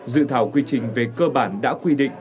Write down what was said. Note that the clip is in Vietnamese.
dự thảo quy trình về cơ bản đã quy định